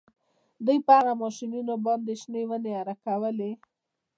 دوی په هغو ماشینونو باندې شنې ونې اره کولې